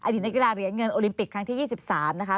นักกีฬาเหรียญเงินโอลิมปิกครั้งที่๒๓นะคะ